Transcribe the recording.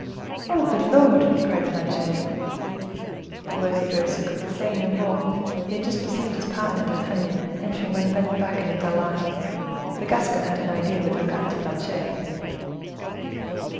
"Oh! good Lord!" cried Planchet. The worthy grocer could say no more; he had just perceived his partner. D'Artagnan entered with a bent back and a dull eye: the Gascon had an idea with regard to Planchet.